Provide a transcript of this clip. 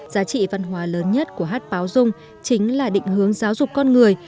giá trị văn hóa lớn nhất của hát báo dung chính là định hướng giáo dục con người